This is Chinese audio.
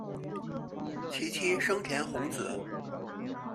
其妻笙田弘子。